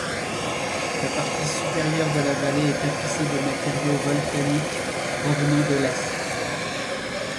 La partie supérieure de la vallée est tapissée de matériaux volcaniques, provenant de l'est.